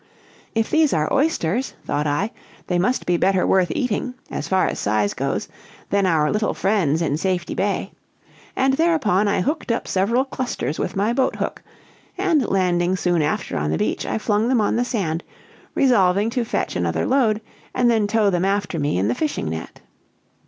"'If these are oysters,' thought I, 'they must be better worth eating, as far as size goes, than our little friends in Safety Bay,' and thereupon I hooked up several clusters with my boat hook, and landing soon after on the beach, I flung them on the sand, resolving to fetch another load, and then tow them after me in the fishing net.